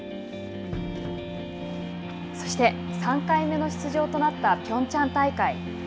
そして、３回目の出場となったピョンチャン大会。